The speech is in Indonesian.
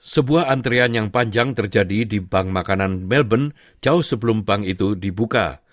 sebuah antrian yang panjang terjadi di bank makanan melbourne jauh sebelum bank itu dibuka